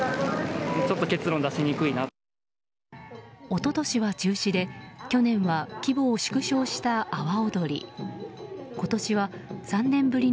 一昨年は中止で去年は規模を縮小した阿波おどり。